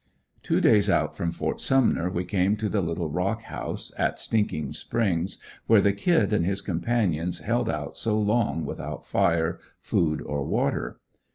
Two days out from Ft. Sumner we came to the little rock house, at Stinking Springs, where the "Kid" and his companions held out so long without fire, food or water.